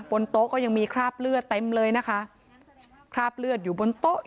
บนโต๊ะก็ยังมีคราบเลือดเต็มเลยนะคะคราบเลือดอยู่บนโต๊ะ